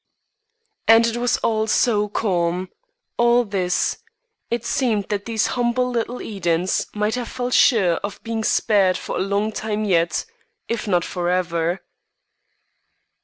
And it was all so calm, all this; it seemed that these humble little Edens might have felt sure of being spared for a long time yet, if not for ever.